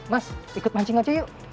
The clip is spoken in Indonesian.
mas ikut mancing aja yuk